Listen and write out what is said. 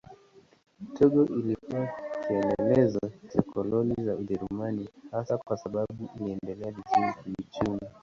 Togo ilikuwa kielelezo cha koloni za Ujerumani hasa kwa sababu iliendelea vizuri kiuchumi.